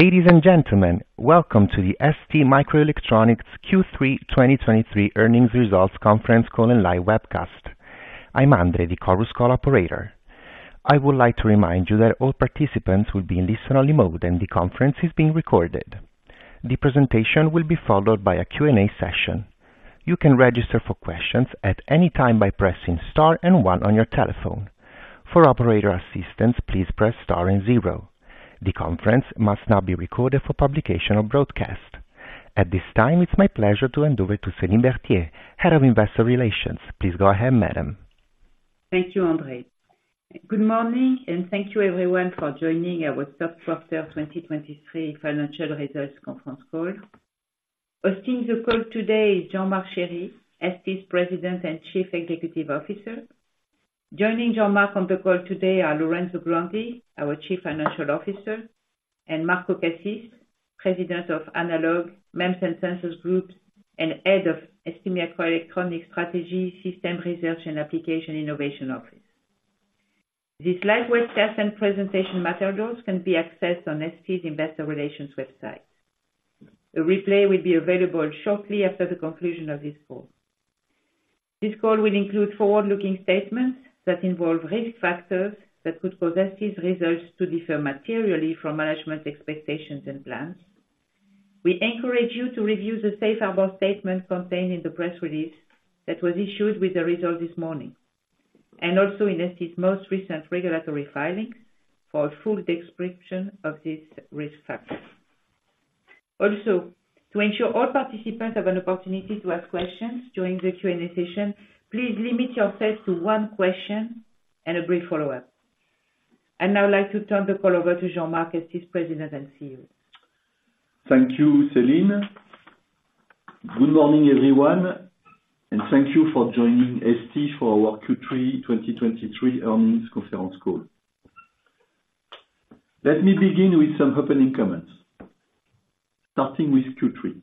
Ladies and gentlemen, welcome to the STMicroelectronics Q3 2023 earnings results conference call and live webcast. I'm Andre, the Chorus Call operator. I would like to remind you that all participants will be in listen-only mode, and the conference is being recorded. The presentation will be followed by a Q&A session. You can register for questions at any time by pressing star and one on your telephone. For operator assistance, please press star and zero. The conference must now be recorded for publication or broadcast. At this time, it's my pleasure to hand over to Céline Berthier, Head of Investor Relations. Please go ahead, madam. Thank you, Andre. Good morning, and thank you everyone for joining our third quarter 2023 financial results conference call. Hosting the call today is Jean-Marc Chery, ST's President and Chief Executive Officer. Joining Jean-Marc on the call today are Lorenzo Grandi, our Chief Financial Officer, and Marco Cassis, President of Analog, MEMS and Sensors Group, and Head of STMicroelectronics Strategy, System, Research, and Application Innovation Office. This live webcast and presentation materials can be accessed on ST's Investor Relations website. A replay will be available shortly after the conclusion of this call. This call will include forward-looking statements that involve risk factors that could cause ST's results to differ materially from management expectations and plans. We encourage you to review the safe harbor statement contained in the press release that was issued with the result this morning, and also in ST's most recent regulatory filings for a full description of these risk factors. Also, to ensure all participants have an opportunity to ask questions during the Q&A session, please limit yourself to one question and a brief follow-up. I'd now like to turn the call over to Jean-Marc, ST's President and CEO. Thank you, Céline. Good morning, everyone, and thank you for joining ST for our Q3 2023 earnings conference call. Let me begin with some opening comments, starting with Q3.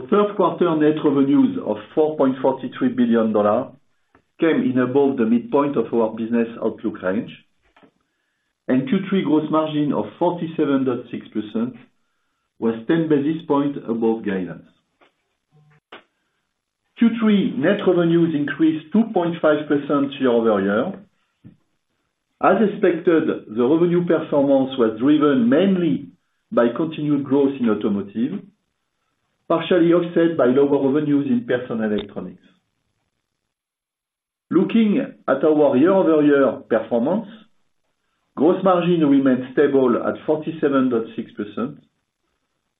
So third quarter net revenues of $4.43 billion came in above the midpoint of our business outlook range, and Q3 gross margin of 47.6% was 10 basis points above guidance. Q3 net revenues increased 2.5% year-over-year. As expected, the revenue performance was driven mainly by continued growth in automotive, partially offset by lower revenues in personal electronics. Looking at our year-over-year performance, gross margin remained stable at 47.6%,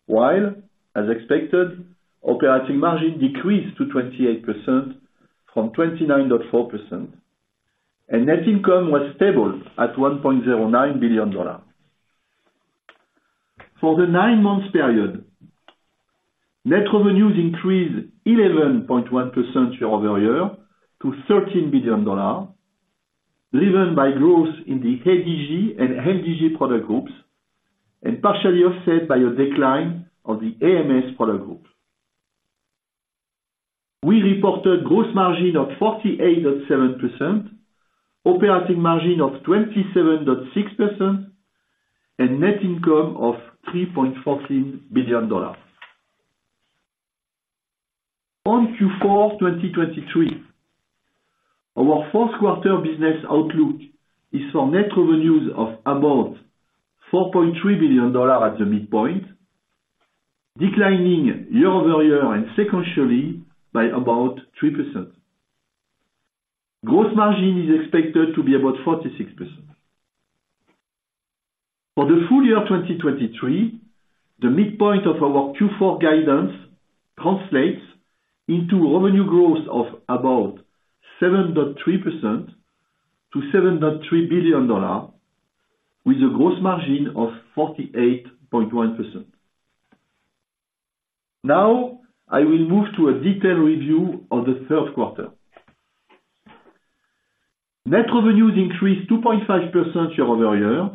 while, as expected, operating margin decreased to 28% from 29.4%, and net income was stable at $1.09 billion. For the nine-month period, net revenues increased 11.1% year-over-year to $13 billion, driven by growth in the ADG and MDG product groups and partially offset by a decline of the AMS product group. We reported gross margin of 48.7%, operating margin of 27.6%, and net income of $3.14 billion. On Q4 2023, our fourth quarter business outlook is for net revenues of about $4.3 billion at the midpoint, declining year-over-year and sequentially by about 3%. Gross margin is expected to be about 46%. For the full year 2023, the midpoint of our Q4 guidance translates into revenue growth of about 7.3% to $7.3 billion, with a gross margin of 48.1%. Now, I will move to a detailed review of the third quarter. Net revenues increased 2.5% year-over-year.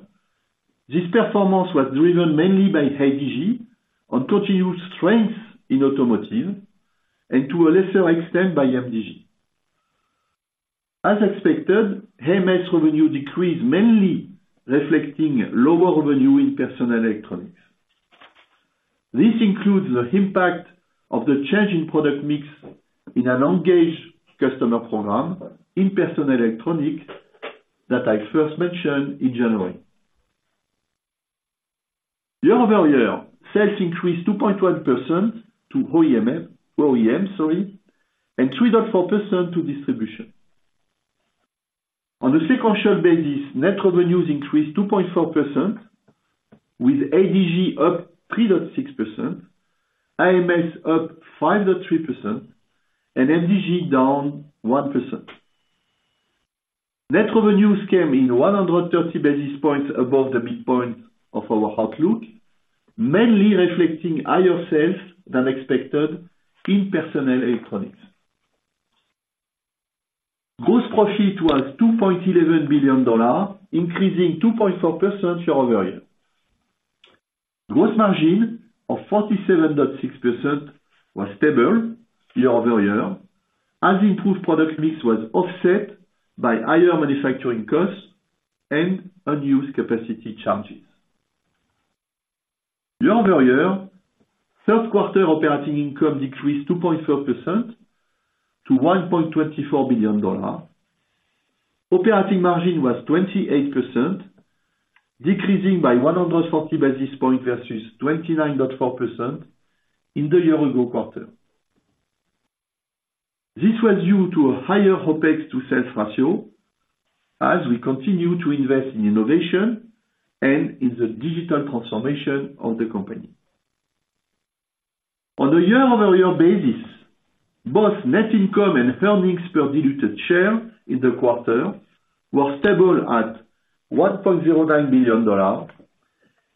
This performance was driven mainly by ADG on continued strength in automotive and to a lesser extent by MDG. As expected, AMS revenue decreased, mainly reflecting lower revenue in personal electronics. This includes the impact of the change in product mix in a long-term customer program in personal electronics that I first mentioned in January. Year-over-year, sales increased 2.1% to OEM, sorry, and 3.4% to distribution. On a sequential basis, net revenues increased 2.4%, with ADG up 3.6%, AMS up 5.3%, and MDG down 1%. Net revenues came in 130 basis points above the midpoint of our outlook, mainly reflecting higher sales than expected in personal electronics. Gross profit was $2.11 billion, increasing 2.4% year-over-year. Gross margin of 47.6% was stable year-over-year, as improved product mix was offset by higher manufacturing costs and unused capacity charges. Year-over-year, third quarter operating income decreased 2.4% to $1.24 billion. Operating margin was 28%, decreasing by 140 basis points versus 29.4% in the year-ago quarter. This was due to a higher OpEx to sales ratio, as we continue to invest in innovation and in the digital transformation of the company. On a year-over-year basis, both net income and earnings per diluted share in the quarter were stable at $1.09 billion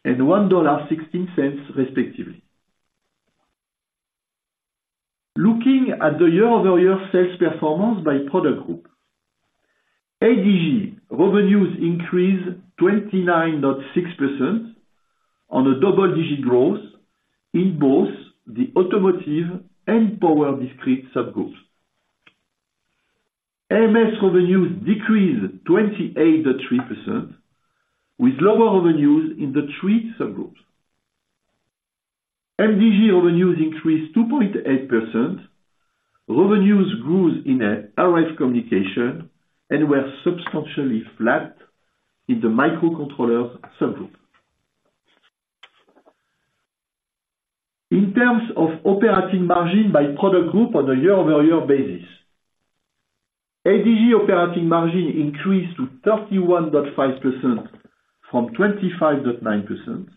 and $1.16, respectively. Looking at the year-over-year sales performance by product group, ADG revenues increased 29.6% on a double-digit growth in both the automotive and power discrete subgroups. AMS revenues decreased 28.3%, with lower revenues in the three subgroups. MDG revenues increased 2.8%. Revenues grew in RF communication and were substantially flat in the microcontroller subgroup. In terms of operating margin by product group on a year-over-year basis, ADG operating margin increased to 31.5% from 25.9%.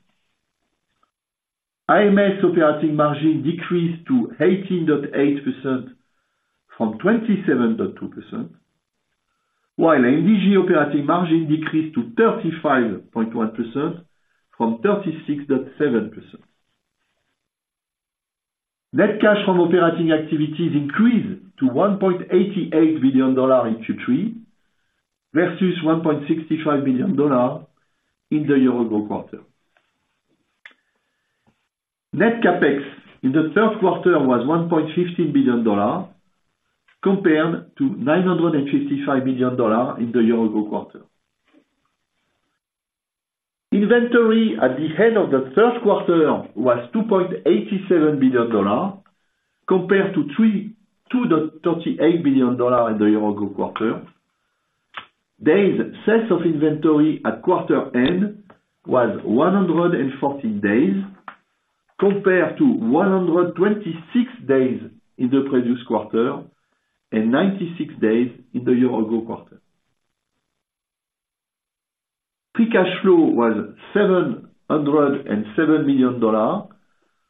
AMS operating margin decreased to 18.8% from 27.2%, while MDG operating margin decreased to 35.1% from 36.7%. Net cash from operating activities increased to $1.88 billion in Q3 versus $1.65 billion in the year-ago quarter. Net CapEx in the third quarter was $1.50 billion, compared to $955 billion in the year-ago quarter. Inventory at the end of the third quarter was $2.87 billion, compared to $2.38 billion in the year-go quarter. Days sales of inventory at quarter end was 140 days, compared to 126 days in the previous quarter and 96 days in the year-ago quarter. Free cash flow was $707 million,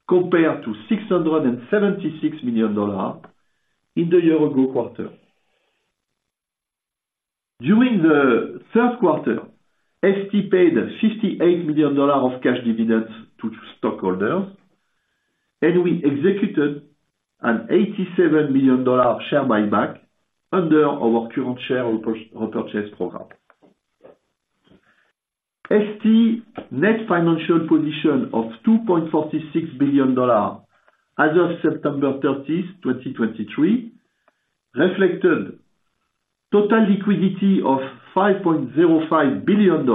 compared to $676 million in the year-ago quarter. During the third quarter, ST paid $58 million of cash dividends to stockholders, and we executed an $87 million dollar share buyback under our current share repurchase program. ST net financial position of $2.46 billion as of September 30th, 2023, reflected total liquidity of $5.05 billion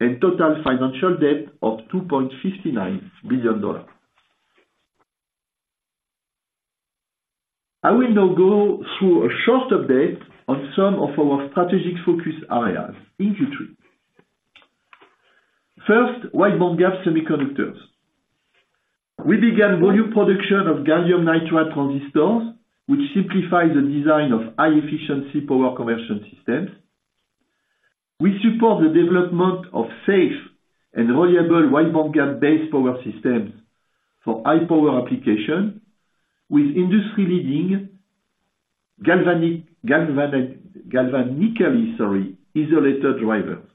and total financial debt of $2.59 billion. I will now go through a short update on some of our strategic focus areas in Q3. First, wide bandgap semiconductors. We began volume production of gallium nitride transistors, which simplifies the design of high-efficiency power conversion systems. We support the development of safe and reliable wide bandgap-based power systems for high power application, with industry-leading galvanically isolated drivers.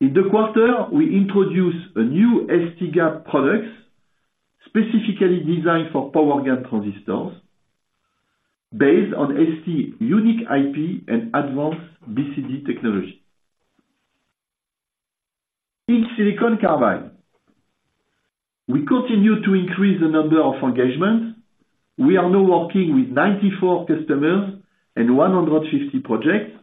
In the quarter, we introduced a new STGAP products specifically designed for GaN transistors based on ST's unique IP and advanced BCD technology. In silicon carbide, we continue to increase the number of engagements. We are now working with 94 customers and 150 projects,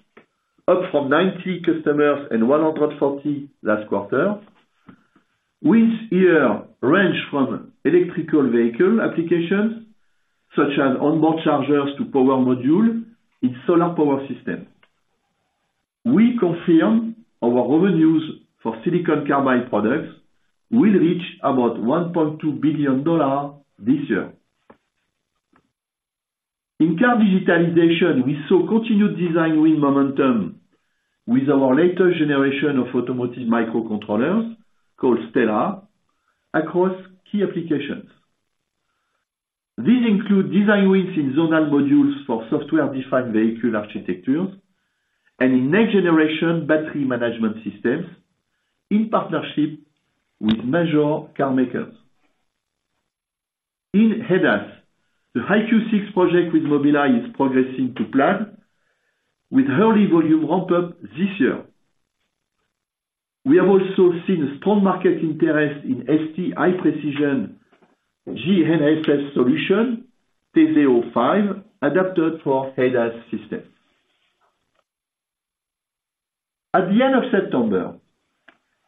up from 90 customers and 140 last quarter, which here range from electric vehicle applications, such as onboard chargers to power module and solar power system. We confirm our revenues for silicon carbide products will reach about $1.2 billion this year. In Car Digitalization, we saw continued design win momentum with our latest generation of automotive microcontrollers, called Stellar, across key applications. These include design wins in zonal modules for software-defined vehicle architectures and in next-generation battery management systems, in partnership with major car makers. In ADAS, the EyeQ6 project with Mobileye is progressing to plan, with early volume ramp up this year. We have also seen a strong market interest in ST high precision GNSS solution, Teseo V, adapted for ADAS systems. At the end of September,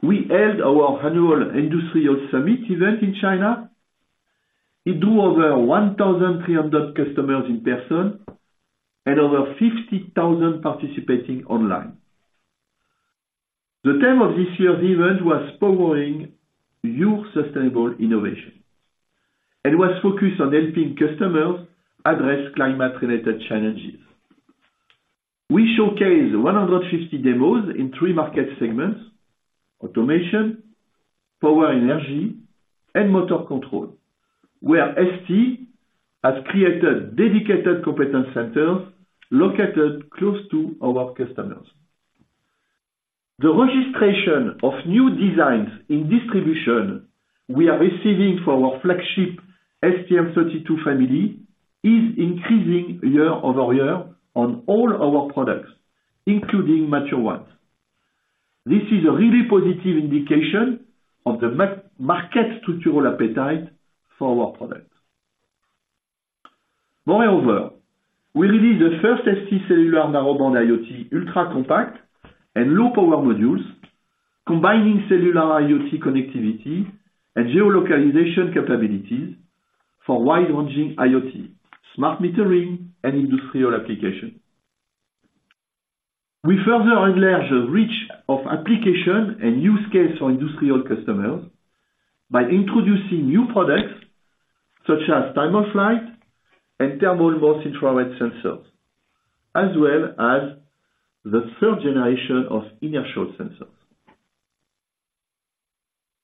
we held our annual industrial summit event in China. It drew over 1,300 customers in person and over 50,000 participating online. The theme of this year's event was powering new sustainable innovation, and was focused on helping customers address climate-related challenges. We showcased 150 demos in three market segments: automation, Power & Energy, and motor control, where ST has created dedicated competence centers located close to our customers. The registration of new designs in distribution we are receiving for our flagship STM32 family is increasing year-over-year on all our products, including mature ones. This is a really positive indication of the market structural appetite for our products. Moreover, we released the first ST cellular narrowband IoT ultra compact and low-power modules, combining cellular IoT connectivity and geo-localization capabilities for wide-ranging IoT, smart metering, and industrial application. We further enlarge the reach of application and use case for industrial customers by introducing new products such as time-of-flight and Thermal MOS infrared sensors, as well as the third generation of inertial sensors.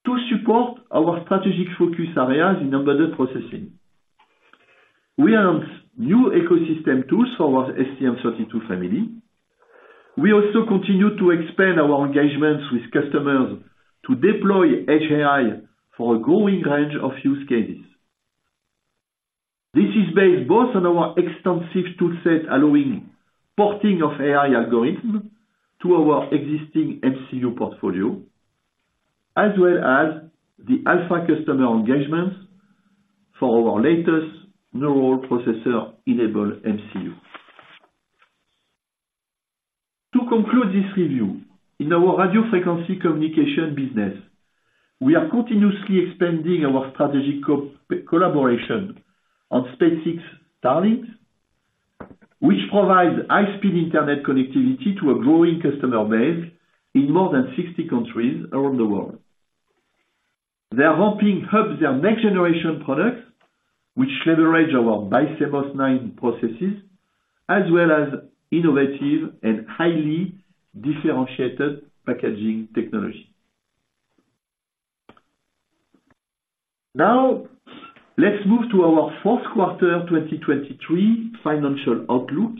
To support our strategic focus areas in embedded processing, we announced new ecosystem tools for our STM32 family. We also continued to expand our engagements with customers to deploy edge AI for a growing range of use cases. This is based both on our extensive toolset, allowing porting of AI algorithm to our existing MCU portfolio, as well as the alpha customer engagements for our latest neural processor-enabled MCU. To conclude this review, in our radio frequency communication business, we are continuously expanding our strategic co-collaboration on SpaceX Starlink, which provides high-speed internet connectivity to a growing customer base in more than 60 countries around the world. They are helping hub their next-generation products, which leverage our BiCMOS9 processes, as well as innovative and highly differentiated packaging technology. Now, let's move to our fourth quarter 2023 financial outlook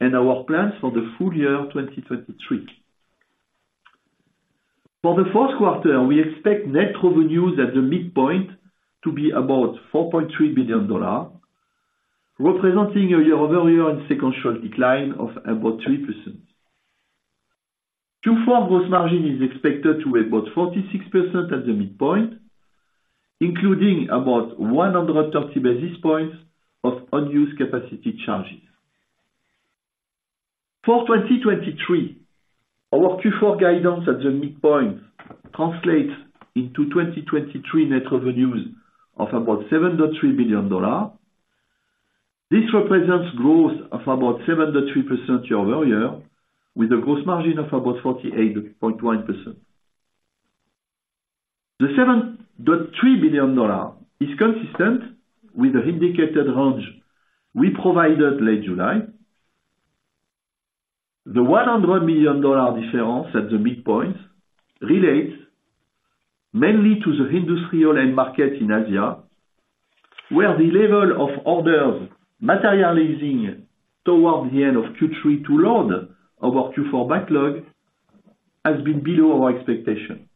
and our plans for the full year 2023. For the fourth quarter, we expect net revenues at the midpoint to be about $4.3 billion, representing a year-over-year and sequential decline of about 3%. Q4 gross margin is expected to be about 46% at the midpoint, including about 130 basis points of unused capacity charges. For 2023, our Q4 guidance at the midpoint translates into 2023 net revenues of about $7.3 billion. This represents growth of about 7.3% year-over-year, with a gross margin of about 48.1%. The $7.3 billion is consistent with the indicated range we provided late July. The $100 million difference at the midpoint relates mainly to the industrial end market in Asia, where the level of orders materializing towards the end of Q3 to load our Q4 backlog has been below our expectation.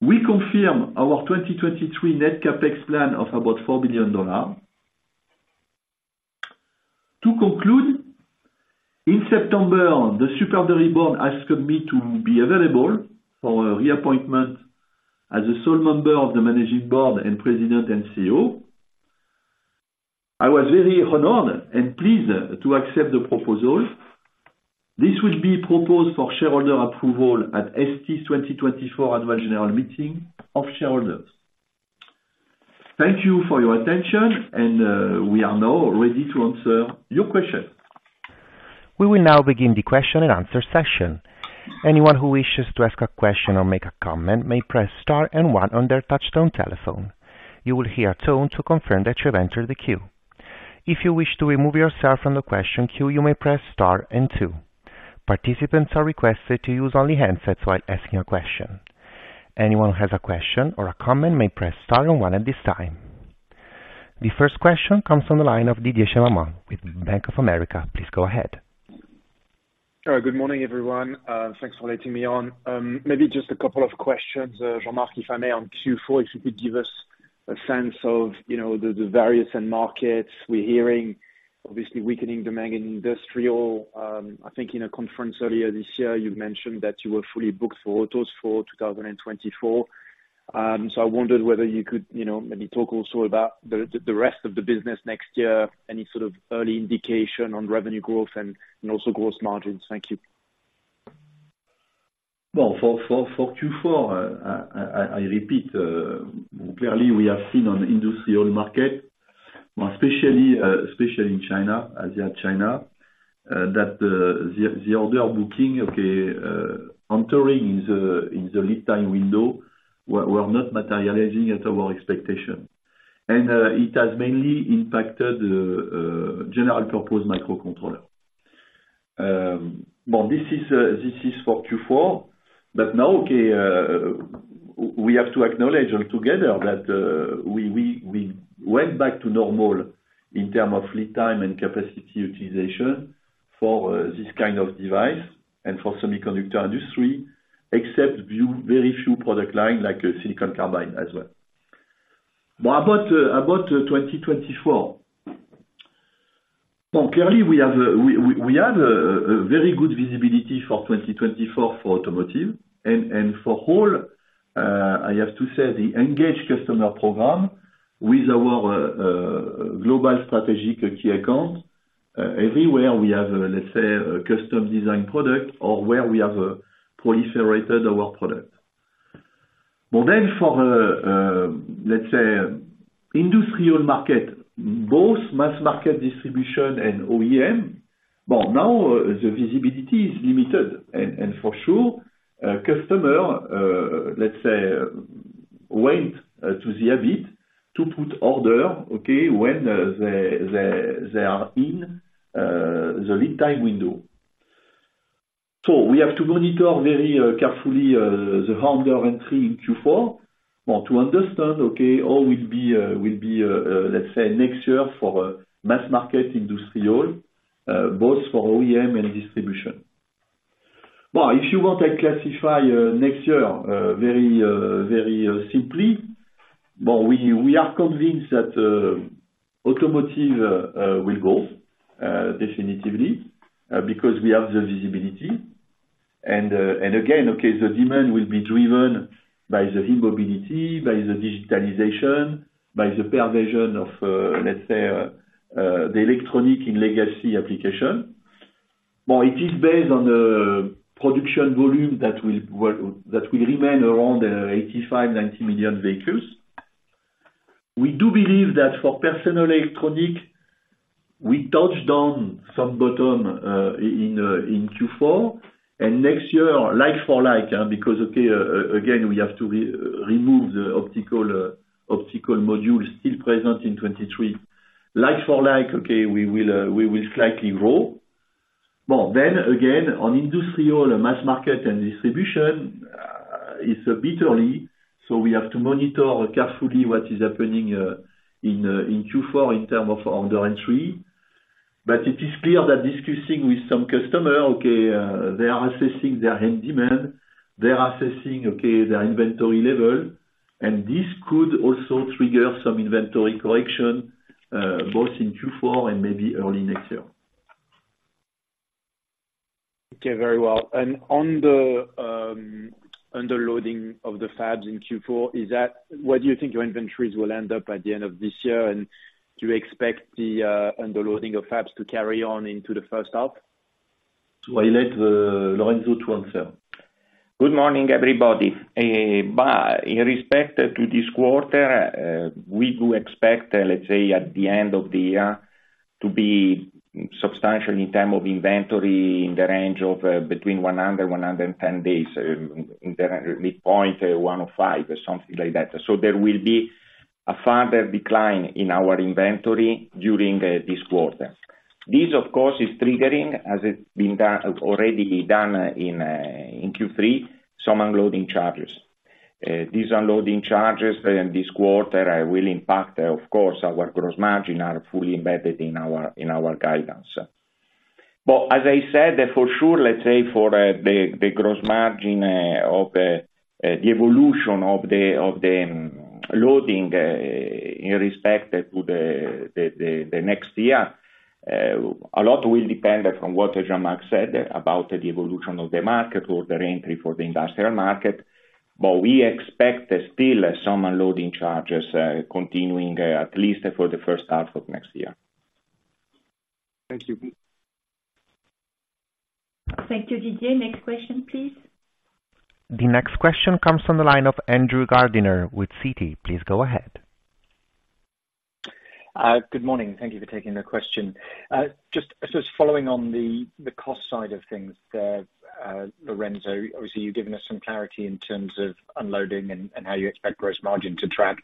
We confirm our 2023 net CapEx plan of about $4 billion. To conclude, in September, the supervisory board asked me to be available for a reappointment as a sole member of the managing Board and president and CEO. I was very honored and pleased to accept the proposal. This will be proposed for shareholder approval at ST's 2024 Annual General Meeting of Shareholders. Thank you for your attention, and we are now ready to answer your question. We will now begin the question and answer session. Anyone who wishes to ask a question or make a comment may press star and one on their touchtone telephone. You will hear a tone to confirm that you have entered the queue. If you wish to remove yourself from the question queue, you may press star and two. Participants are requested to use only handsets while asking a question. Anyone who has a question or a comment may press star and one at this time. The first question comes from the line of Didier Scemama with Bank of America. Please go ahead. Good morning, everyone. Thanks for letting me on. Maybe just a couple of questions, Jean-Marc, if I may, on Q4, if you could give us a sense of, you know, the various end markets. We're hearing obviously weakening demand in industrial. I think in a conference earlier this year, you mentioned that you were fully booked for autos for 2024. So I wondered whether you could, you know, maybe talk also about the rest of the business next year, any sort of early indication on revenue growth and also growth margins. Thank you. Well, for Q4, I repeat, clearly we have seen on the industrial market, well, especially, especially in China, Asia, China, that the order booking entering in the lead time window were not materializing at our expectation. And it has mainly impacted general purpose microcontroller. Well, this is for Q4, but now we have to acknowledge all together that we went back to normal in term of lead time and capacity utilization for this kind of device and for semiconductor industry, except few, very few product line, like silicon carbide as well. But about 2024. Well, clearly we have a very good visibility for 2024 for automotive and for whole, I have to say, the engaged customer program with our global strategic key account everywhere we have a, let's say, a custom design product or where we have proliferated our product. Well, then for, let's say, industrial market, both mass market distribution and OEM, well, now the visibility is limited. And for sure, customer, let's say, wait to the habit to put order, okay, when they are in the lead time window. So we have to monitor very carefully the order entry in Q4, well, to understand, okay, all will be, will be, let's say, next year for mass market industrial, both for OEM and distribution. Well, if you want to classify next year very simply, well, we are convinced that automotive will grow definitively because we have the visibility. And again, okay, the demand will be driven by the e-mobility, by the digitalization, by the pervasion of, let's say, the electronics in legacy application. Well, it is based on the production volume that will remain around 85 million-90 million vehicles. We do believe that for personal electronics, we touch down some bottom in Q4. And next year, like-for-like, because, okay, again, we have to re-remove the optical optical module still present in 2023. Like-for-like, okay, we will slightly grow. Well, then again, on industrial mass market and distribution, it's a bit early, so we have to monitor carefully what is happening in Q4 in terms of order entry. But it is clear that discussing with some customer, okay, they are assessing their end demand. They are assessing, okay, their inventory level, and this could also trigger some inventory correction both in Q4 and maybe early next year. Okay, very well. And on the underloading of the fabs in Q4, is that where do you think your inventories will end up at the end of this year? And do you expect the underloading of fabs to carry on into the first half? So I let Lorenzo to answer. Good morning, everybody. But in respect to this quarter, we do expect, let's say, at the end of the year, to be substantial in term of inventory in the range of between 100 and 110 days, in the midpoint 105 or something like that. So there will be a further decline in our inventory during this quarter. This, of course, is triggering, as it been done, already done in Q3, some unloading charges. These unloading charges in this quarter will impact, of course, our gross margin, are fully embedded in our guidance. But as I said, for sure, let's say for the gross margin of the evolution of the loading in respect to the next year, a lot will depend from what Jean-Marc said about the evolution of the market or the entry for the industrial market. But we expect still some unloading charges continuing at least for the first half of next year. Thank you. Thank you, Didier. Next question, please. The next question comes from the line of Andrew Gardiner with Citi. Please go ahead. Good morning. Thank you for taking the question. Just following on the cost side of things, Lorenzo, obviously, you've given us some clarity in terms of unloading and how you expect gross margin to track.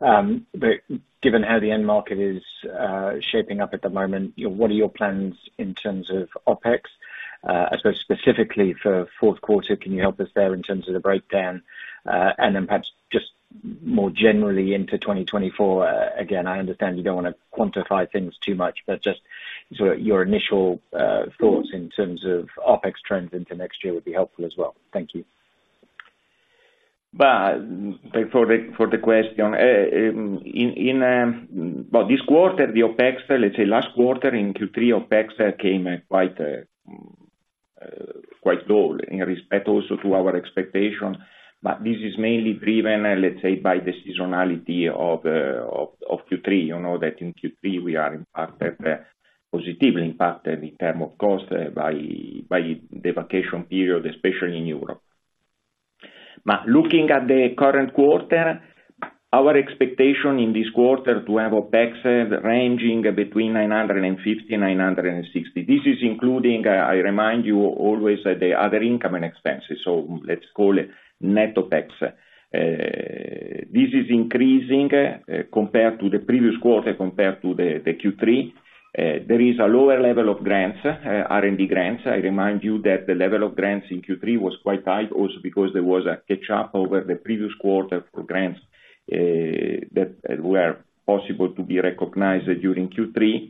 But given how the end market is shaping up at the moment, you know, what are your plans in terms of OpEx? I suppose specifically for fourth quarter, can you help us there in terms of the breakdown? And then perhaps just more generally into 2024, again, I understand you don't wanna quantify things too much, but just sort of your initial thoughts in terms of OpEx trends into next year would be helpful as well. Thank you. But for the question, well, this quarter, the OpEx, let's say last quarter, in Q3, OpEx came quite low in respect also to our expectation. But this is mainly driven, let's say, by the seasonality of Q3. You know that in Q3, we are impacted, positively impacted in term of cost by the vacation period, especially in Europe. But looking at the current quarter, our expectation in this quarter to have OpEx ranging between $950 and $960. This is including, I remind you, always, the other income and expenses, so let's call it net OpEx. This is increasing, compared to the previous quarter, compared to the Q3. There is a lower level of grants, R&D grants. I remind you that the level of grants in Q3 was quite high, also because there was a catch up over the previous quarter for grants, that were possible to be recognized during Q3.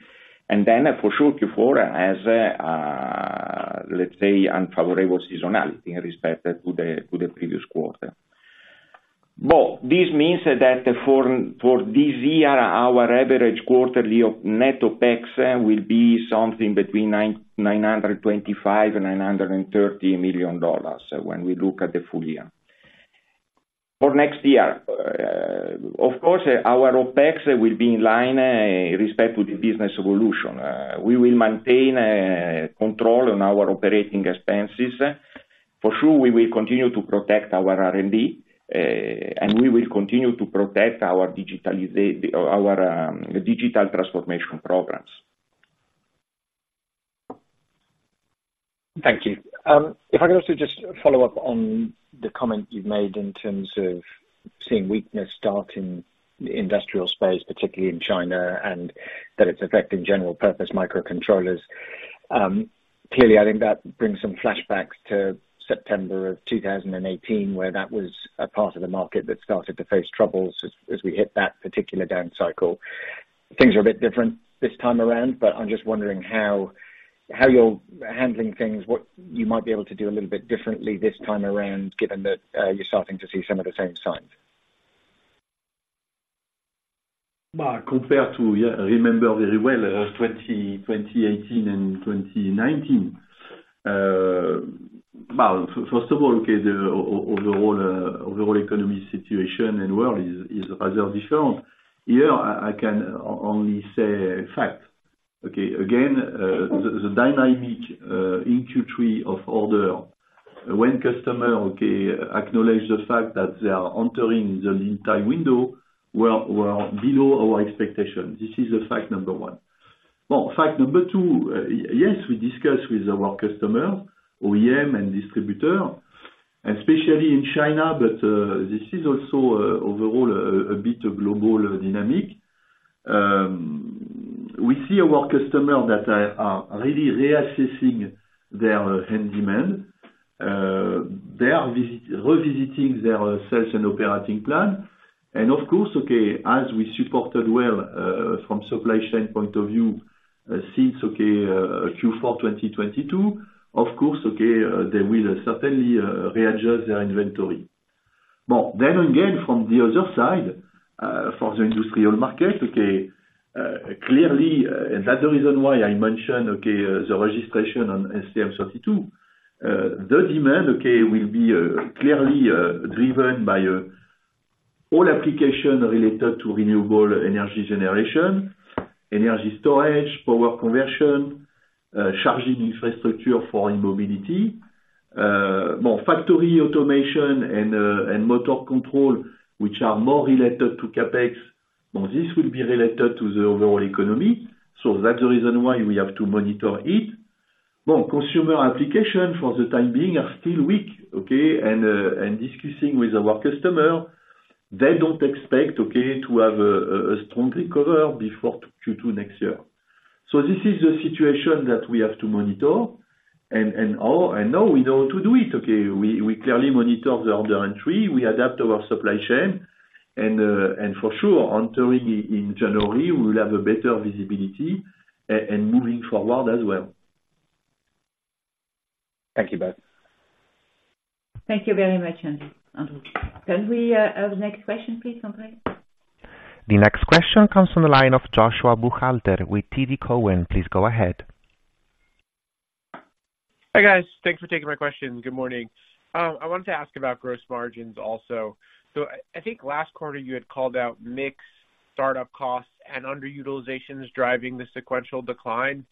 Then for sure, Q4 has a, let's say, unfavorable seasonality in respect to the, to the previous quarter. Well, this means that for, for this year, our average quarterly of net OpEx will be something between $925 million and $930 million when we look at the full year. For next year, of course, our OpEx will be in line, respect to the business evolution. We will maintain, control on our operating expenses. For sure, we will continue to protect our R&D, and we will continue to protect our digital transformation programs. Thank you. If I could also just follow up on the comment you've made in terms of seeing weakness start in the industrial space, particularly in China, and that it's affecting general purpose microcontrollers. Clearly, I think that brings some flashbacks to September 2018, where that was a part of the market that started to face troubles as we hit that particular down cycle. Things are a bit different this time around, but I'm just wondering how you're handling things, what you might be able to do a little bit differently this time around, given that you're starting to see some of the same signs. Well, compared to, yeah, remember very well, 2018 and 2019, well, first of all, okay, the overall, overall economy situation and world is, is rather different. Here, I, I can only say fact. Okay, again, the, the dynamic, in Q3 of order, when customer, okay, acknowledge the fact that they are entering the lead time window, were, were below our expectations. This is the fact number one. Well, fact number two, yes, we discussed with our customer, OEM and distributor, especially in China, but, this is also, overall, a, a bit a global dynamic. We see our customer that are, are really reassessing their end demand. They are revisiting their sales and operating plan, and of course, as we supported well, from supply chain point of view, since Q4 2022, of course, they will certainly readjust their inventory. Well, then again, from the other side, for the industrial market, clearly, and that's the reason why I mentioned the registration on STM32, the demand will be clearly driven by all application related to renewable energy generation, energy storage, power conversion, charging infrastructure for mobility, more factory automation and motor control, which are more related to CapEx. Well, this will be related to the overall economy, so that's the reason why we have to monitor it. Well, consumer application for the time being are still weak. Discussing with our customer, they don't expect, okay, to have a strong recovery before Q2 next year. So this is the situation that we have to monitor, and now we know how to do it, okay. We clearly monitor the order entry. We adapt our supply chain, and for sure, entering in January, we will have a better visibility and moving forward as well. Thank you, bye. Thank you very much, Andrew, Andrew. Can we, have the next question, please, operator? The next question comes from the line of Joshua Buchalter with TD Cowen. Please go ahead. Hi, guys. Thanks for taking my questions. Good morning. I wanted to ask about gross margins also. So I think last quarter you had called out mix, startup costs, and underutilizations driving the sequential decline.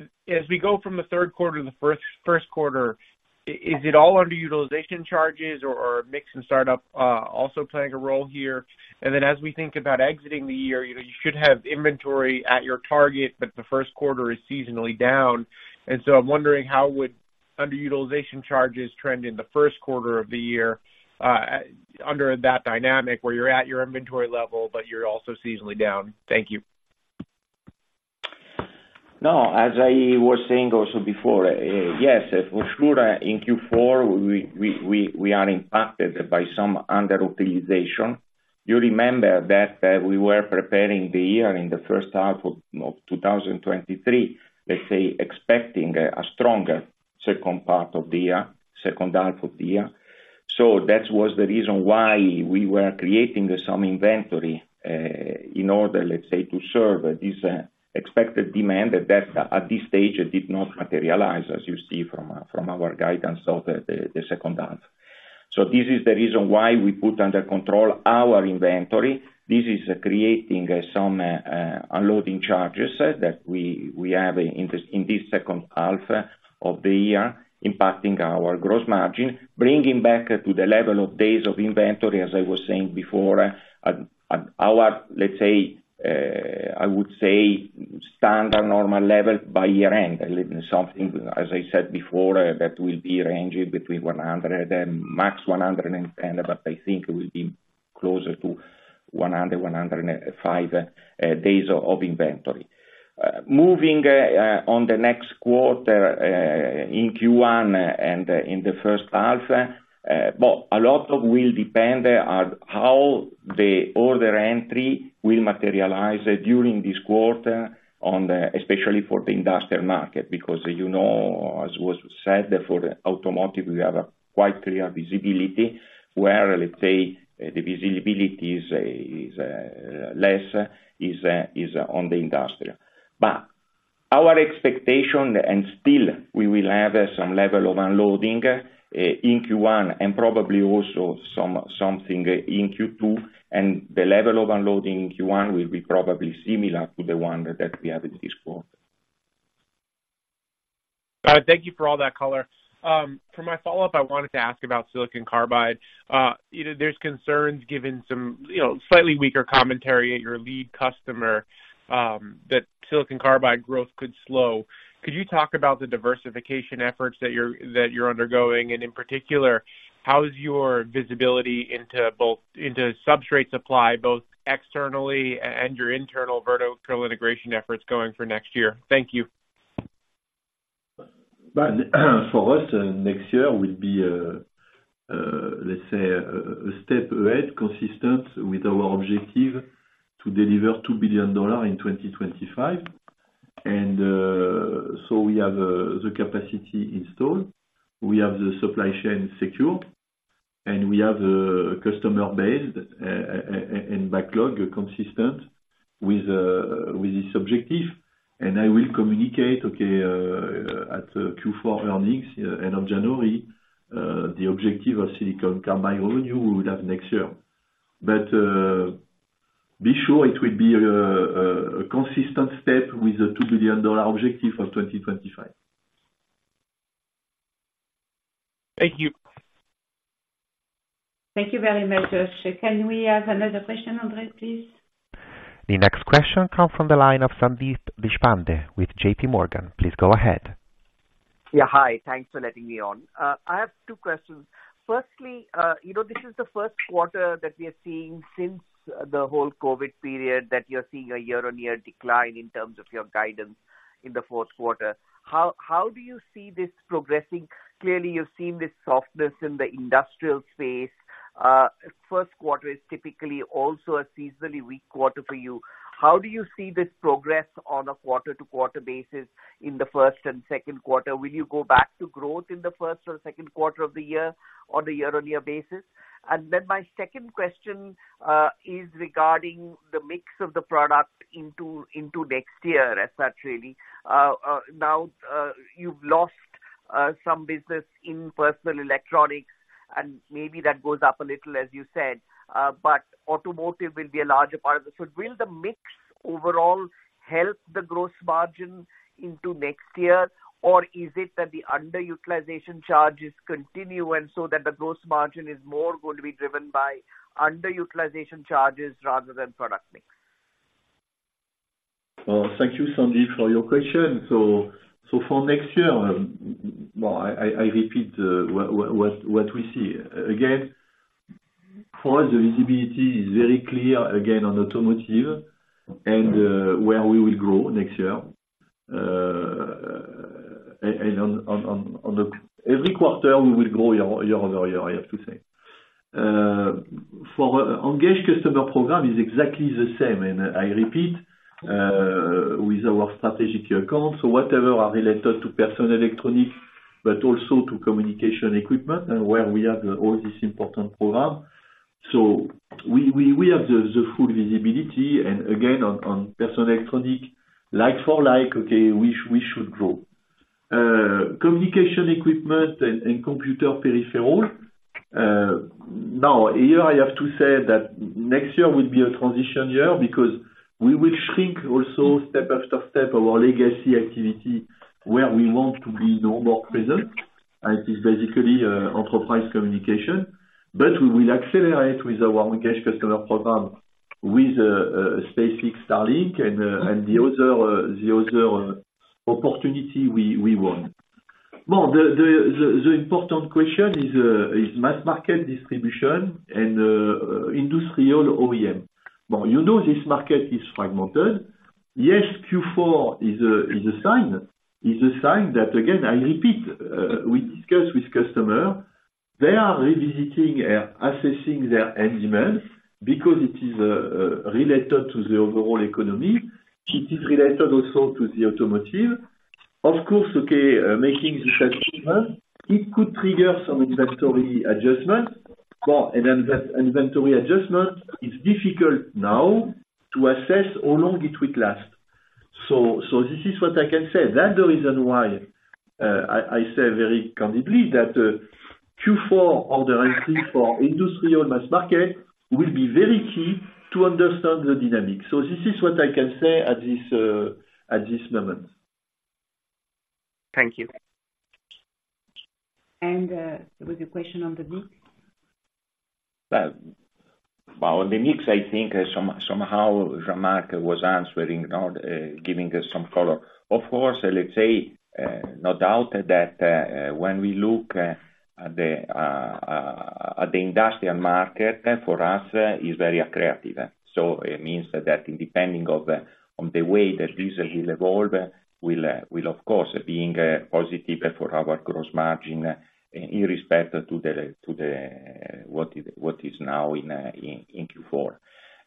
As we go from the third quarter to the first quarter, is it all underutilization charges or mix and startup also playing a role here? And then, as we think about exiting the year, you know, you should have inventory at your target, but the first quarter is seasonally down. And so I'm wondering how would underutilization charges trend in the first quarter of the year, under that dynamic, where you're at your inventory level, but you're also seasonally down? Thank you. No, as I was saying also before, yes, for sure, in Q4, we are impacted by some underutilization. You remember that, we were preparing the year in the first half of 2023, let's say, expecting a stronger second part of the year, second half of the year. So that was the reason why we were creating some inventory in order, let's say, to serve this expected demand that at this stage did not materialize, as you see from our guidance of the second half. So this is the reason why we put under control our inventory. This is creating some unloading charges that we have in this second half of the year, impacting our gross margin, bringing back to the level of days of inventory, as I was saying before, at our, let's say, I would say, standard normal level by year end. Something, as I said before, that will be ranging between 100 and max 110, but I think it will be closer to 100 days, 105 days of inventory. Moving on the next quarter, in Q1 and in the first half, but a lot of will depend on how the order entry will materialize during this quarter on the- especially for the industrial market. Because, you know, as was said, for automotive, we have a quite clear visibility where, let's say, the visibility is on the industrial. But our expectation, and still, we will have some level of unloading in Q1, and probably also something in Q2. And the level of unloading in Q1 will be probably similar to the one that we have in this quarter. Thank you for all that color. For my follow-up, I wanted to ask about silicon carbide. You know, there are concerns given some, you know, slightly weaker commentary at your lead customer, that silicon carbide growth could slow. Could you talk about the diversification efforts that you're undergoing? And in particular, how is your visibility into both substrate supply, both externally and your internal vertical integration efforts going for next year? Thank you. But for us, next year will be, let's say, a step ahead, consistent with our objective to deliver $2 billion in 2025. And, so we have the capacity installed, we have the supply chain secure, and we have the customer base, and backlog consistent with this objective. And I will communicate, okay, at Q4 earnings, end of January, the objective of silicon carbide revenue we would have next year. But, be sure it will be a consistent step with the $2 billion objective for 2025. Thank you. Thank you very much. Can we have another question, Andre, please? The next question comes from the line of Sandeep Deshpande with JPMorgan. Please go ahead. Yeah. Hi, thanks for letting me on. I have two questions. Firstly, you know, this is the first quarter that we are seeing since the whole COVID period, that you're seeing a year-on-year decline in terms of your guidance in the fourth quarter. How do you see this progressing? Clearly, you've seen this softness in the industrial space. First quarter is typically also a seasonally weak quarter for you. How do you see this progress on a quarter-to-quarter basis in the first and second quarter? Will you go back to growth in the first or second quarter of the year on a year-on-year basis? And then my second question is regarding the mix of the product into next year as such, really. Now, you've lost some business in personal electronics, and maybe that goes up a little, as you said, but automotive will be a larger part of it. So will the mix overall help the gross margin into next year, or is it that the underutilization charges continue, and so that the gross margin is more going to be driven by underutilization charges rather than product mix? Thank you, Sandeep, for your question. So for next year, well, I repeat what we see. Again, for us, the visibility is very clear again on automotive and where we will grow next year. And one very quarter, we will grow year-on-year, I have to say. For engaged customer program is exactly the same, and I repeat with our strategic accounts. So whatever are related to personal electronics, but also to communication equipment, and where we have all this important program. So we have the full visibility, and again, on personal electronic, like for like, okay, we should grow. Communication equipment and computer peripherals, now, here, I have to say that next year will be a transition year, because we will shrink also step after step, our legacy activity, where we want to be no more present. It is basically enterprise communication. But we will accelerate with our engaged customer program, with SpaceX Starlink and the other opportunity we want. Well, the important question is mass market distribution and industrial OEM. Well, you know, this market is fragmented. Yes, Q4 is a sign that, again, I repeat, we discuss with customer, they are revisiting and assessing their end demands because it is related to the overall economy. It is related also to the automotive. Of course. Okay, making this achievement, it could trigger some inventory adjustment. But an inventory adjustment is difficult now to assess how long it will last. So, this is what I can say. That's the reason why I say very confidently that Q4 order entry for industrial mass market will be very key to understand the dynamic. So this is what I can say at this moment. Thank you. There was a question on the mix? Well, well, the mix, I think, somehow Jean-Marc was answering or, giving us some color. Of course, let's say, no doubt that, when we look at, at the, at the industrial market, for us, is very accretive. So it means that depending on the way that this will evolve, will of course be positive for our gross margin in respect to what is now in Q4.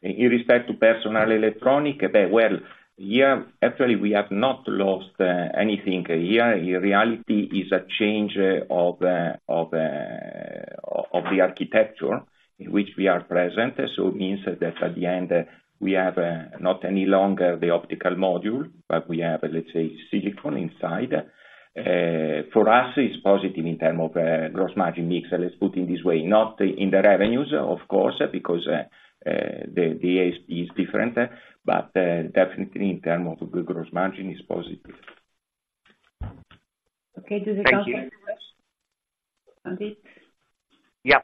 In respect to personal electronic, well, here, actually, we have not lost anything here. In reality is a change of the architecture in which we are present. So it means that at the end, we have not any longer the optical module, but we have, let's say, silicon inside. For us, it's positive in terms of gross margin mix. Let's put it this way, not in the revenues, of course, because the ASP is different, but definitely in terms of the gross margin is positive. Okay. Thank you. And it? Yeah.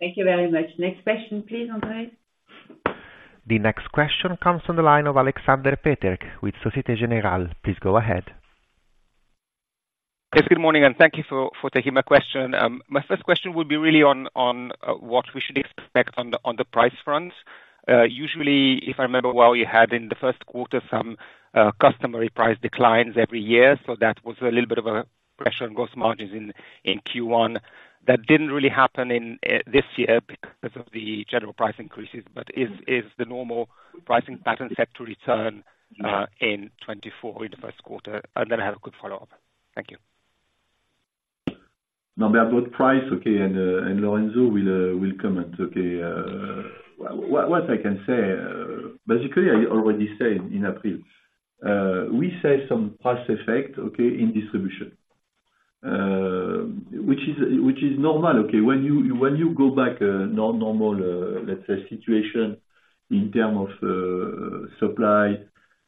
Thank you very much. Next question, please, Andrew. The next question comes from the line of Aleksander Peterc with Société Générale. Please go ahead. Yes, good morning, and thank you for taking my question. My first question would be really on what we should expect on the price front. Usually, if I remember well, you had in the first quarter some customary price declines every year, so that was a little bit of a pressure on gross margins in Q1. That didn't really happen in this year because of the general price increases, but is the normal pricing pattern set to return in 2024, in the first quarter? And then I have a quick follow-up. Thank you. No, about price, okay, and Lorenzo will comment. Okay, what I can say, basically I already said in April. We say some price effect, okay, in distribution, which is normal, okay? When you go back, normal, let's say, situation in terms of supply,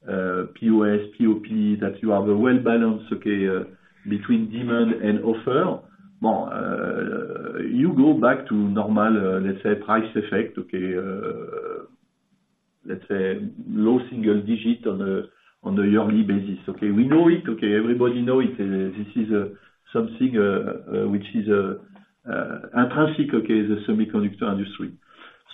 POS, POP, that you have a well balanced, okay, between demand and offer. Well, you go back to normal, let's say, price effect, okay, let's say low single digit on a yearly basis, okay? We know it, okay, everybody know it. This is something which is intrinsic, okay, the semiconductor industry.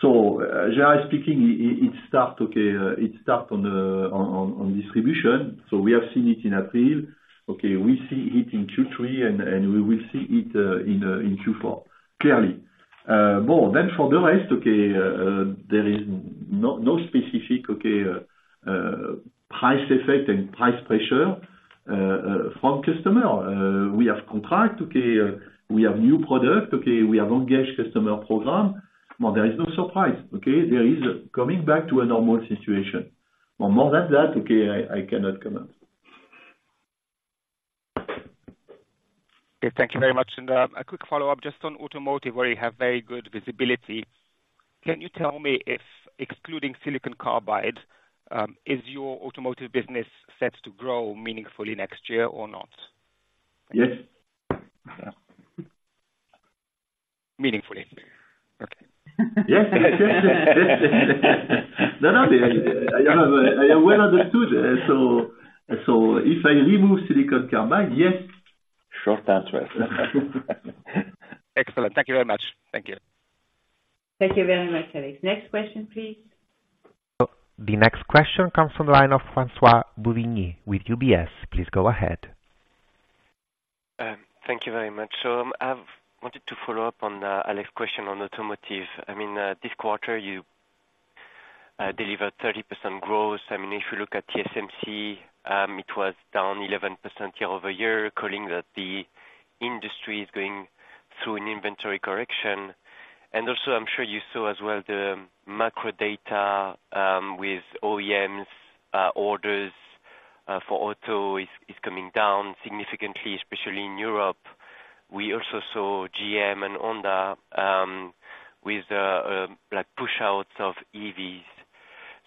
So generally speaking it start on distribution, so we have seen it in April. Okay, we see it in Q3, and we will see it in Q4, clearly. Well, then for the rest, okay, there is no specific, okay, price effect and price pressure from customer. We have contract, okay? We have new product, okay? We have engaged customer program. Well, there is no surprise, okay? There is coming back to a normal situation. Well, more than that, okay, I cannot comment. Okay, thank you very much. A quick follow-up just on automotive, where you have very good visibility. Can you tell me if excluding silicon carbide, is your automotive business set to grow meaningfully next year or not? Yes. Meaningfully? Okay. Yes. No, no, I have, I well understood, so, so if I remove silicon carbide, yes. Short answer. Excellent. Thank you very much. Thank you. Thank you very much, Alex. Next question, please. The next question comes from the line of Francois Bouvignies with UBS. Please go ahead. Thank you very much. So I've wanted to follow up on Alex's question on automotive. I mean, this quarter you delivered 30% growth. I mean, if you look at TSMC, it was down 11% year-over-year, calling that the industry is going through an inventory correction. And also, I'm sure you saw as well, the macro data with OEMs orders for auto is coming down significantly, especially in Europe. We also saw GM and Honda with like push out of EVs.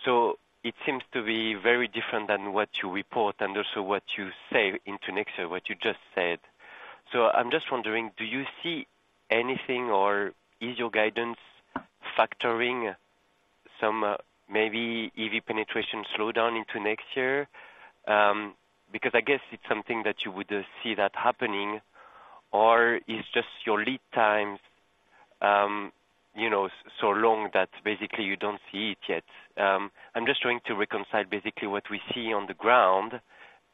So it seems to be very different than what you report and also what you say in Tonex, what you just said. So I'm just wondering, do you see anything or is your guidance factoring some maybe EV penetration slow down into next year? Because I guess it's something that you would see that happening, or is just your lead times, you know, so long that basically you don't see it yet. I'm just trying to reconcile basically what we see on the ground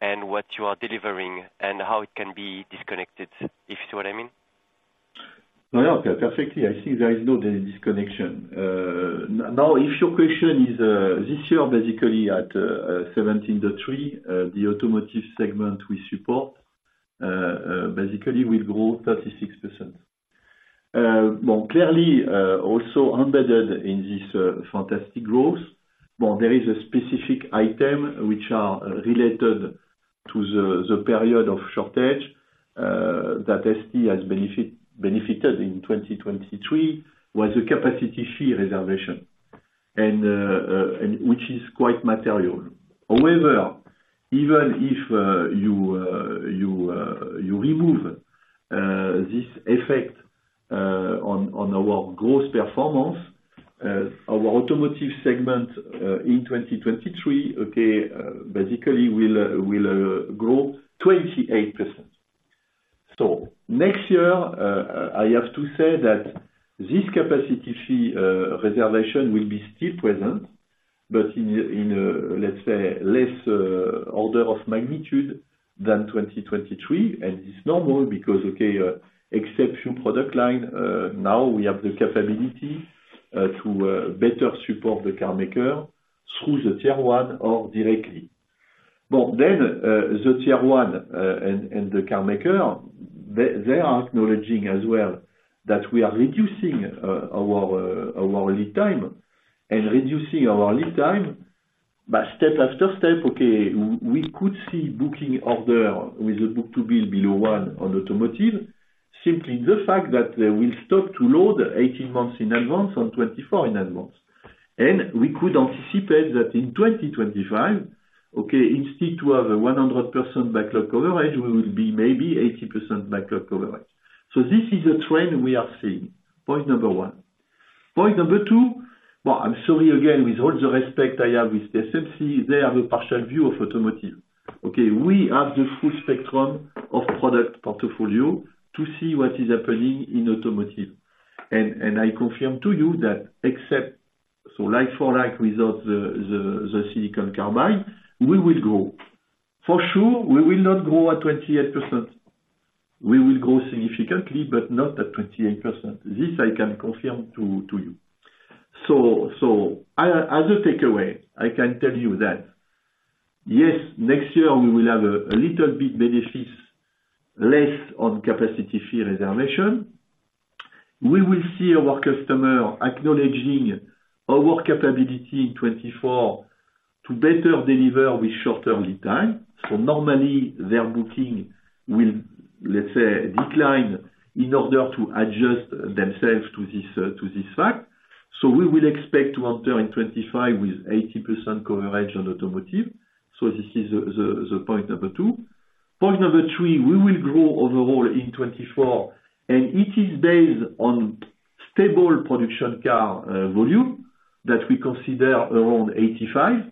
and what you are delivering and how it can be disconnected, if you see what I mean. No, yeah, perfectly. I think there is no disconnection. Now, if your question is this year, basically at 17.3, the automotive segment we support basically will grow 36%. Well, clearly, also embedded in this fantastic growth, well, there is a specific item which are related to the period of shortage that ST has benefited in 2023, was a capacity fee reservation, and which is quite material. However, even if you remove this effect on our gross performance, our automotive segment in 2023, okay, basically will grow 28%. So next year, I have to say that this capacity fee reservation will be still present, but in a, let's say, less order of magnitude than 2023. And it's normal because, okay, except few product line, now we have the capability to better support the car maker through the Tier 1 or directly. Well, then, the Tier 1 and the car maker, they are acknowledging as well that we are reducing our lead time. And reducing our lead time, but step after step, okay, we could see booking order with the book-to-bill below 1 on automotive, simply the fact that they will stop to load 18 months in advance on 2024 in advance. We could anticipate that in 2025, okay, instead to have a 100% backlog coverage, we will be maybe 80% backlog coverage. So this is a trend we are seeing, point Number 1. Point Number 2, well, I'm sorry again, with all due respect I have with TSMC, they have a partial view of automotive. Okay, we have the full spectrum of product portfolio to see what is happening in automotive. And I confirm to you that except, so like for like without the silicon carbide, we will grow. For sure, we will not grow at 28%. We will grow significantly, but not at 28%. This I can confirm to you. So as a takeaway, I can tell you that, yes, next year we will have a little bit benefits less on capacity fee reservation. We will see our customer acknowledging our capability in 2024 to better deliver with shorter lead time. So normally, their booking will, let's say, decline in order to adjust themselves to this fact. So we will expect to enter in 2025 with 80% coverage on automotive. So this is the point number two. Point number three, we will grow overall in 2024, and it is based on stable production car volume that we consider around 85.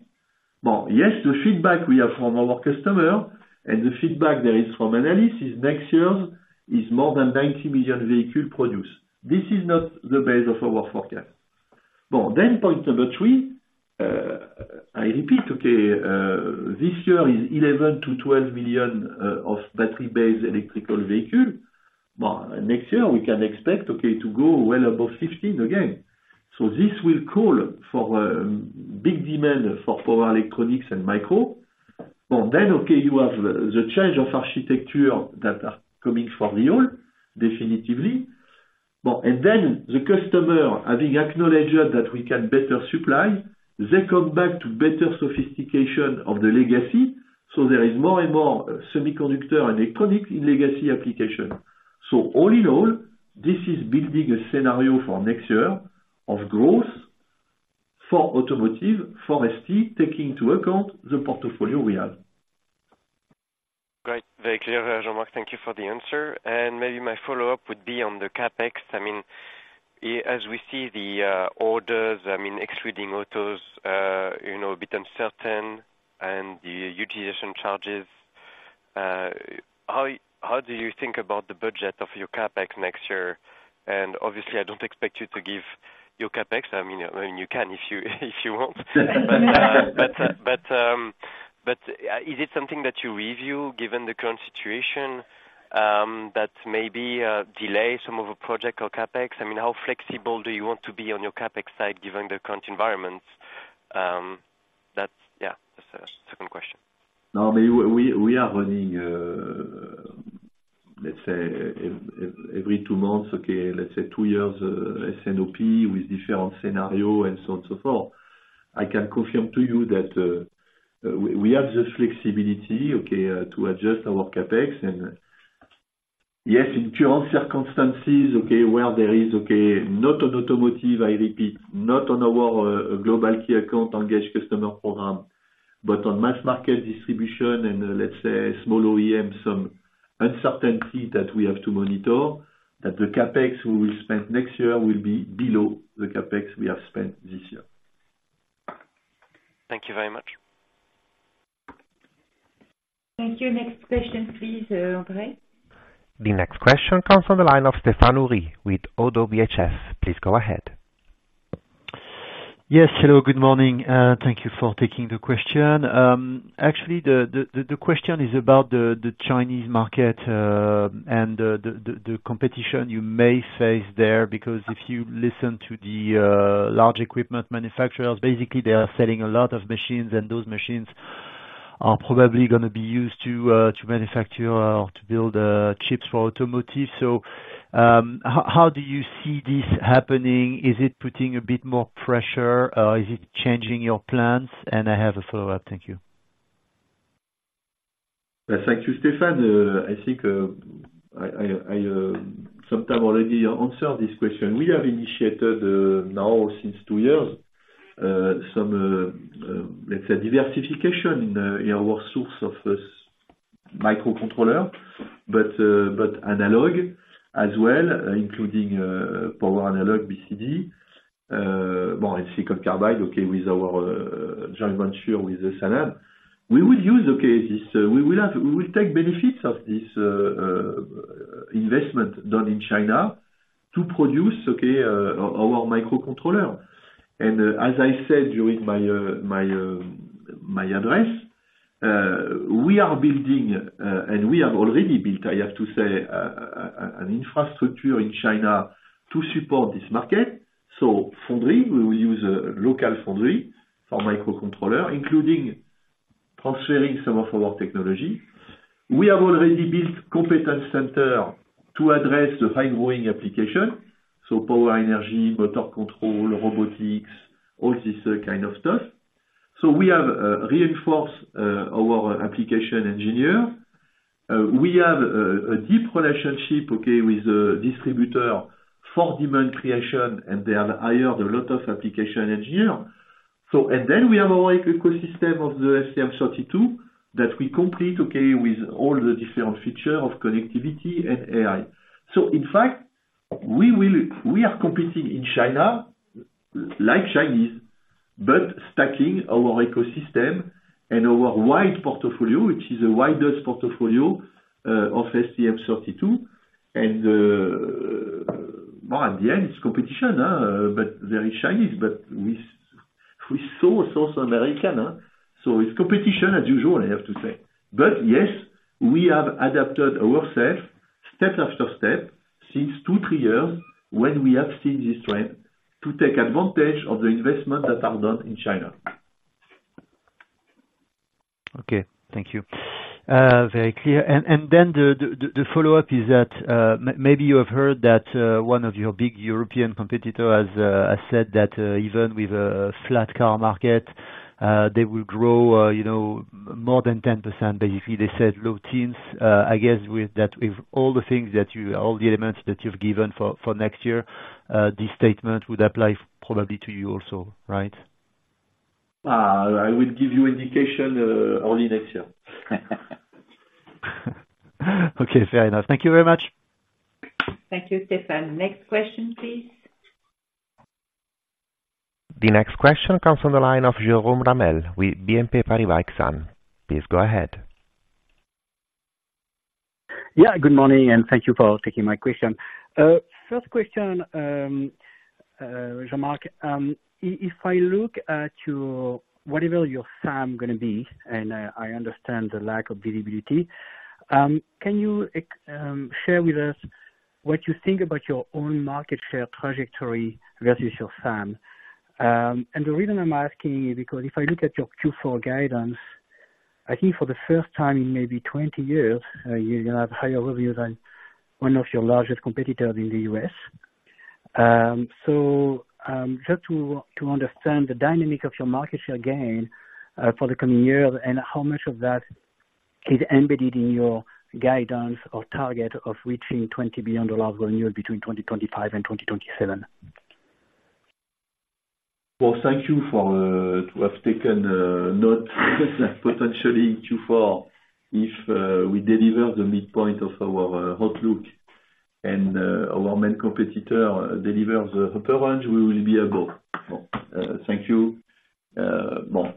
Well, yes, the feedback we have from our customer and the feedback there is from analysts next year is more than 90 million vehicle produced. This is not the base of our forecast. Well, then point number three, I repeat, okay, this year is 11 million-12 million of battery-based electrical vehicle. But next year, we can expect, okay, to go well above 16 again. So this will call for big demand for power electronics and micro. Well, then, okay, you have the change of architecture that are coming from the all, definitively. Well, and then the customer, having acknowledged that we can better supply, they come back to better sophistication of the legacy, so there is more and more semiconductor and electronic in legacy application. So all in all, this is building a scenario for next year of growth for automotive, for ST, taking into account the portfolio we have. Great. Very clear, Jean-Marc. Thank you for the answer. Maybe my follow-up would be on the CapEx. I mean, as we see the orders, I mean, excluding autos, you know, a bit uncertain and the utilization charges, how do you think about the budget of your CapEx next year? And obviously, I don't expect you to give your CapEx. I mean, you can if you want. But, is it something that you review given the current situation, that maybe delay some of a project or CapEx? I mean, how flexible do you want to be on your CapEx side, given the current environment? That's the second question. No, maybe we are running, let's say, every two months, okay, let's say two years, S&OP with different scenario and so on and so forth. I can confirm to you that, we have the flexibility, okay, to adjust our CapEx. And yes, in current circumstances, okay, where there is, okay, not on automotive, I repeat, not on our global key account engaged customer program but on mass market distribution and, let's say, small OEM, some uncertainty that we have to monitor, that the CapEx we will spend next year will be below the CapEx we have spent this year. Thank you very much. Thank you. Next question, please, Andrew. The next question comes from the line of Stéphane Houri with Oddo BHF. Please go ahead. Yes, hello, good morning, thank you for taking the question. Actually, the question is about the Chinese market and the competition you may face there. Because if you listen to the large equipment manufacturers, basically they are selling a lot of machines, and those machines are probably gonna be used to manufacture or to build chips for automotive. So, how do you see this happening? Is it putting a bit more pressure, or is it changing your plans? And I have a follow-up. Thank you. Thank you, Stéphane. I think I've already answered this question. We have initiated now since two years some let's say diversification in our source of this microcontroller, but analog as well, including power analog, BCD, more silicon carbide, okay, with our joint venture with Sanan. We will use this, we will take benefits of this investment done in China to produce our microcontroller. And as I said during my address, we are building and we have already built, I have to say, an infrastructure in China to support this market. So foundry, we will use a local foundry for microcontroller, including transferring some of our technology. We have already built competence center to address the high-growing application, so power, energy, motor control, robotics, all this, kind of stuff. So we have reinforced our application engineer. We have a deep relationship, okay, with the distributor for demand creation, and they have hired a lot of application engineer. So, and then we have our ecosystem of the STM32 that we complete, okay, with all the different feature of connectivity and AI. So in fact, we are competing in China, like Chinese, but stacking our ecosystem and our wide portfolio, which is the widest portfolio of STM32. And, well, at the end, it's competition, but very Chinese, but with, with so South American, so it's competition as usual, I have to say. But yes, we have adapted ourselves step after step since two, three years, when we have seen this trend, to take advantage of the investment that are done in China. Okay, thank you. Very clear. And then the follow-up is that, maybe you have heard that one of your big European competitors has said that even with a flat car market, they will grow, you know, more than 10%. Basically, they said low teens. I guess with that, with all the elements that you've given for next year, this statement would apply probably to you also, right? I will give you indication early next year. Okay, fair enough. Thank you very much. Thank you, Stéphane. Next question, please. The next question comes from the line of Jerome Ramel with BNP Paribas Exane. Please go ahead. Yeah, good morning, and thank you for taking my question. First question, Jean-Marc, if I look at your, whatever your SAM gonna be, and I understand the lack of visibility, can you share with us what you think about your own market share trajectory versus your SAM? The reason I'm asking is because if I look at your Q4 guidance, I think for the first time in maybe 20 years, you're gonna have higher revenues than one of your largest competitors in the U.S. Just to understand the dynamic of your market share gain, for the coming year, and how much of that is embedded in your guidance or target of reaching $20 billion revenue between 2025 and 2027? Well, thank you for to have taken note. Potentially Q4, if we deliver the midpoint of our outlook, and our main competitor delivers the upper range, we will be above. So, thank you. Well,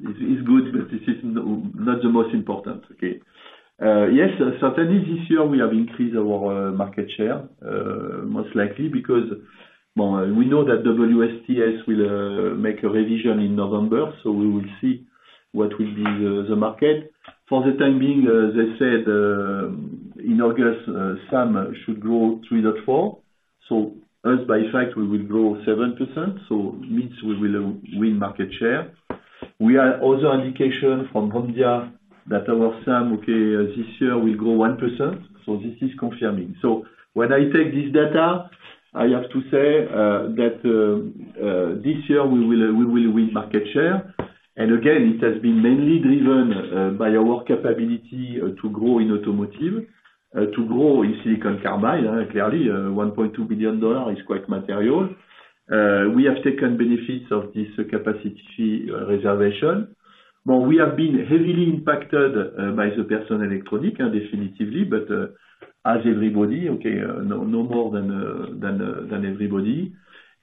it's good, but this is not the most important, okay? Yes, certainly this year we have increased our market share, most likely, because, well, we know that WSTS will make a revision in November, so we will see what will be the market. For the time being, they said in August, SAM should grow 3.4. So us, by fact, we will grow 7%, so means we will win market share. We are also indication from India that our SAM, okay, this year will grow 1%, so this is confirming. So when I take this data, I have to say that this year we will win market share. And again, it has been mainly driven by our capability to grow in automotive, to grow in silicon carbide. Clearly, $1.2 billion is quite material. We have taken benefits of this capacity reservation. Well, we have been heavily impacted by the personal electronics, and definitely, but as everybody, okay, no more than everybody.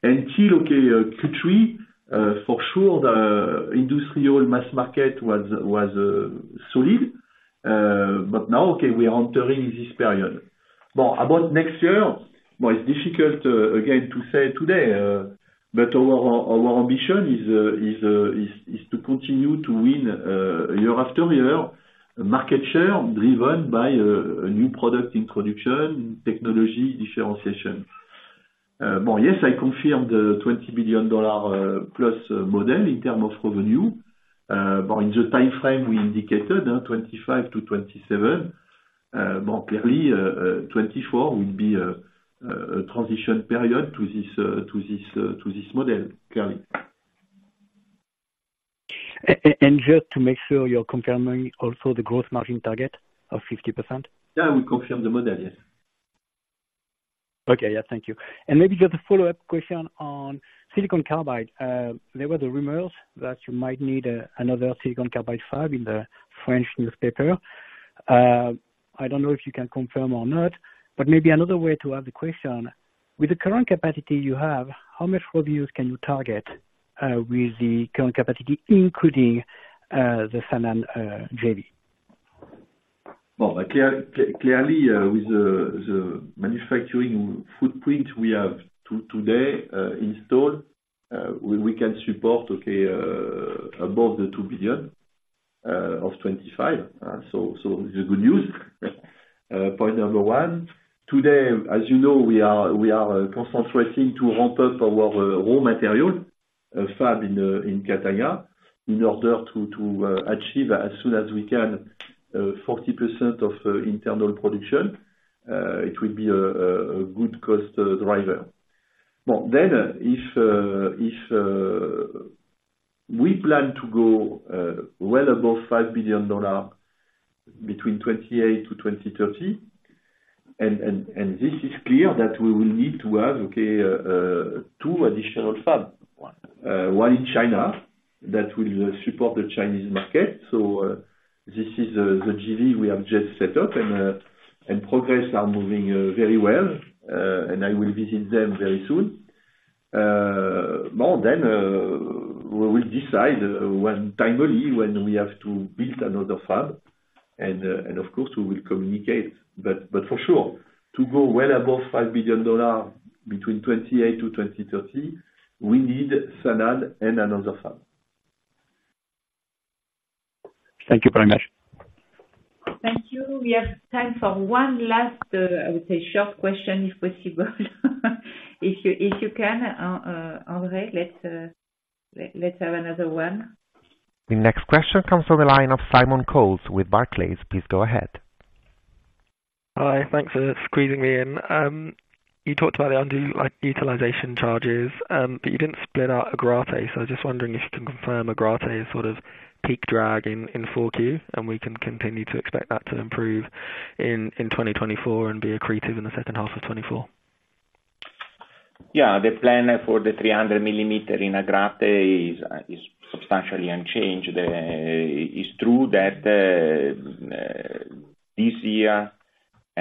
Until, okay, Q3, for sure, the industrial mass market was solid. But now, okay, we are entering this period. But about next year, well, it's difficult, again, to say today, but our ambition is to continue to win, year after year, market share driven by a new product introduction, technology differentiation. Well, yes, I confirm the $20+ billion model in terms of revenue. But in the time frame we indicated, 2025-2027. But clearly, 2024 will be a transition period to this model, clearly. And just to make sure you're confirming also the gross margin target of 50%? Yeah, we confirm the model. Yes. Okay. Yeah, thank you. And maybe just a follow-up question on silicon carbide. There were the rumors that you might need another silicon carbide fab in the French newspaper. I don't know if you can confirm or not, but maybe another way to ask the question: with the current capacity you have, how much revenue can you target with the current capacity, including the Sanan JV? Well, clearly, with the manufacturing footprint we have today, installed, we can support, okay, above the $2 billion of 2025. So, this is good news. Point Number 1, today, as you know, we are concentrating to ramp up our raw material fab in Catania, in order to achieve as soon as we can 40% of internal production. It will be a good cost driver. Well, then, if we plan to go well above $5 billion between 2028 to 2030, and this is clear that we will need to have, okay, two additional fab. One in China, that will support the Chinese market, so this is the JV we have just set up, and progress are moving very well, and I will visit them very soon. Well then, we will decide when timely, when we have to build another fab, and of course, we will communicate. But for sure, to go well above $5 billion between 2028 to 2030, we need Sanan and another fab. Thank you very much. Thank you. We have time for one last, I would say, short question, if possible. If you, if you can, Andre, let's, let's have another one. The next question comes from the line of Simon Coles with Barclays. Please go ahead. Hi. Thanks for squeezing me in. You talked about the under, like, utilization charges, but you didn't split out Agrate. So I was just wondering if you can confirm Agrate's sort of peak drag in 4Q, and we can continue to expect that to improve in 2024 and be accretive in the second half of 2024? Yeah. The plan for the 300-mm in Agrate is substantially unchanged. It's true that this year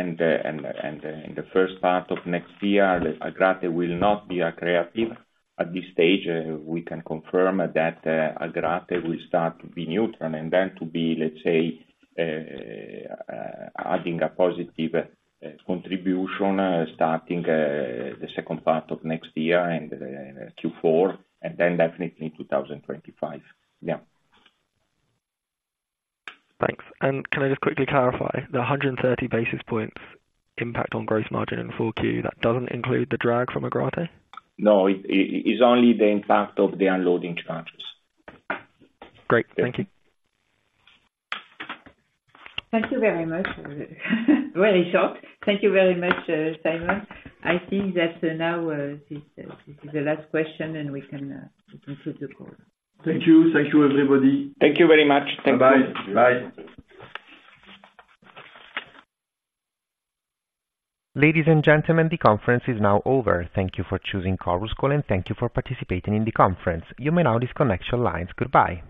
and in the first part of next year, Agrate will not be accretive. At this stage, we can confirm that Agrate will start to be neutral, and then to be, let's say, adding a positive contribution, starting the second part of next year and Q4, and then definitely in 2025. Yeah. Thanks. And can I just quickly clarify, the 130 basis points impact on gross margin in Q4, that doesn't include the drag from Agrate? No, it’s only the impact of the unloading charges. Great. Thank you. Thank you very much. Very short. Thank you very much, Simon. I think that now, this is, this is the last question, and we can conclude the call. Thank you. Thank you, everybody. Thank you very much. Thank you. Bye-bye. Bye. Ladies and gentlemen, the conference is now over. Thank you for choosing Chorus Call, and thank you for participating in the conference. You may now disconnect your lines. Goodbye.